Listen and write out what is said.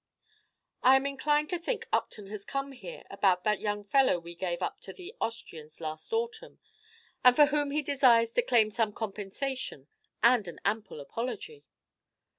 "I am inclined to think Upton has come here about that young fellow we gave up to the Austrians last autumn, and for whom he desires to claim some compensation and an ample apology."